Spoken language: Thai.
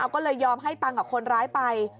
ก็เลยยอมให้ตังค์กับคนร้ายไป